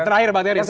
terakhir bang teri